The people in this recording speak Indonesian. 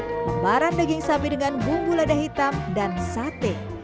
lembaran daging sapi dengan bumbu lada hitam dan sate